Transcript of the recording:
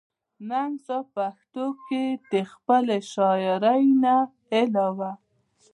ننګ صېب پښتو کښې َد خپلې شاعرۍ نه علاوه